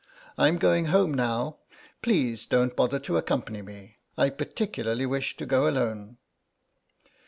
I'm going home now; please don't bother to accompany me, I particularly wish to go alone."